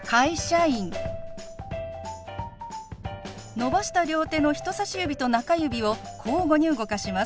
伸ばした両手の人さし指と中指を交互に動かします。